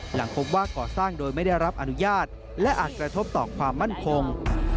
หลังพบว่าก่อสร้างโดยไม่ได้รับอนุญาตและอาจกระทบต่อความมั่นคง